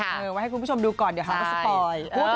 ไว้ให้คุณผู้ชมดูก่อนเดี๋ยวหาว่าสปอย